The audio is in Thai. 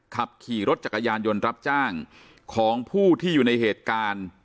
ขับขี่รถจักรยานยนต์รับจ้างของผู้ที่อยู่ในเหตุการณ์